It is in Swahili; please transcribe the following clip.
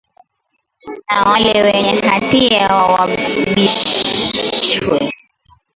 na wale wenye hatia wawajibishwe